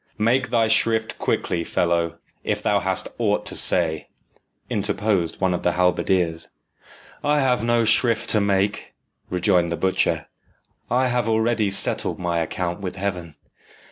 "Make thy shrift quickly, fellow, if thou hast aught to say," interposed one of the halberdiers. "I have no shrift to make," rejoined the butcher. "I have already settled my account with Heaven.